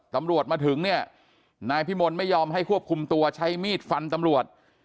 ตำรวจมาถึงเนี่ยนายพิมลไม่ยอมให้ควบคุมตัวใช้มีดฟันตำรวจ